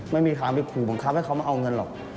ไม่มีทางไปขู่บังคับให้เขามาเอาเงินหรอก